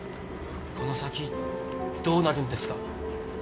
この先どうなるんですか？